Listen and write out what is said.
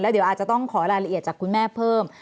เดี๋ยวอาจจะต้องขอรายละเอียดจากคุณแม่เพิ่ม